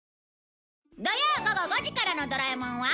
土曜午後５時からの『ドラえもん』は